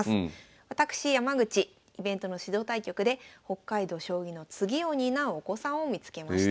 私山口イベントの指導対局で北海道将棋の次を担うお子さんを見つけました。